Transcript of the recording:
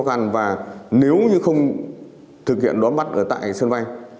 thịnh nói là rất giống